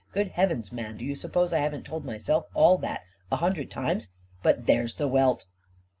"Good heavens, man, do you suppose I haven't told myself all that a hundred times ! But there's the welt